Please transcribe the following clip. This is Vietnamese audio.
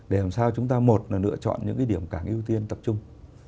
để làm sao chúng ta một là lựa chọn những cái điểm cảng ưu tiên tập trung